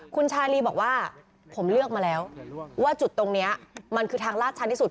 คุณชาลีบอกว่าผมเลือกมาแล้วว่าจุดตรงนี้มันคือทางลาดชันที่สุด